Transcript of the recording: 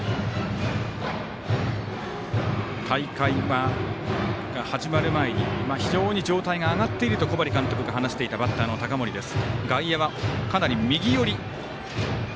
大会が始まる前に非常に状態が上がっていると小針監督が話していたバッターの高森です。